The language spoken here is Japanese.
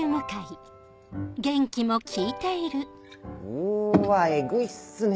うわえぐいっすね